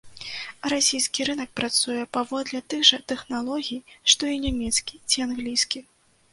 Расійскі рынак працуе паводле тых жа тэхналогій, што і нямецкі ці англійскі.